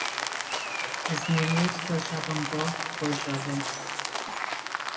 از نیمروز تا شبانگاه پر ژاله